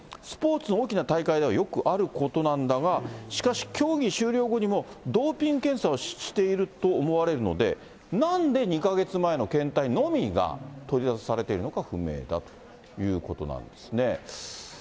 スポーツの大きな大会ではよくあることなんだが、しかし、競技終了後にも、ドーピング検査をしていると思われるので、なんで２か月前の検体のみが取りざたされているのか不明だということなんですね。